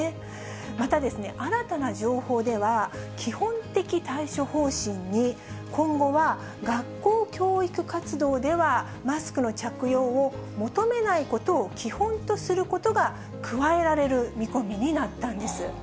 また、新たな情報では、基本的対処方針に、今後は学校教育活動では、マスクの着用を求めないことを基本とすることが加えられる見込みになったんです。